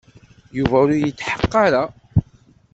Yuba ur yetḥeqq ara.